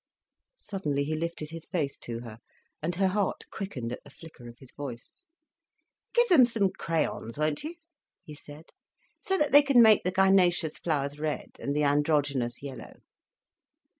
Suddenly he lifted his face to her, and her heart quickened at the flicker of his voice. "Give them some crayons, won't you?" he said, "so that they can make the gynaecious flowers red, and the androgynous yellow.